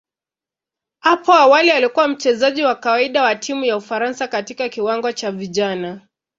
Hapo awali alikuwa mchezaji wa kawaida wa timu ya Ufaransa katika kiwango cha vijana.